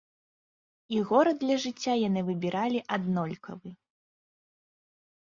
І горад для жыцця яны выбіралі аднолькавы.